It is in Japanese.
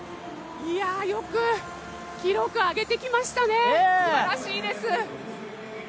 よく記録上げてきましたね、すばらしいです！